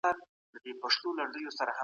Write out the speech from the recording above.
مبایل فلش لري.